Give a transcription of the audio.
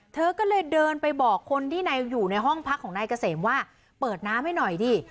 เธอก็เลยเดินไปบอกคนที่อยู่ในห้องพักของนายเกษมว่าเปิดน้ำให้หน่อยดิ